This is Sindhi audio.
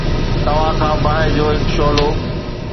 توهان کان باهه جو هڪ شعلہ